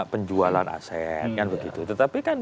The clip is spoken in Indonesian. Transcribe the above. penjualan aset kan begitu tetapi kan